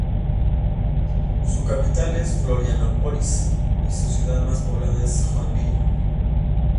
Su capital es Florianópolis y su ciudad más poblada, Joinville.